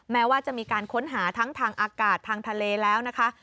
แม้ว่าจะมีการค้นหาทั้งทางอากาศทางทะเลแล้วนะคะ